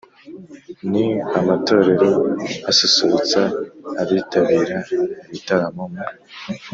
ni amatorero asusurutsa abitabira ibitaramo mu